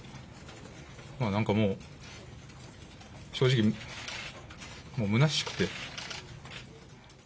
なんかもう、正直、もうむなしくて。